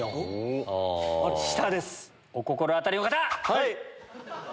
はい！